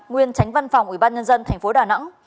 nguyên tránh văn phòng ủy ban nhân dân tp đà nẵng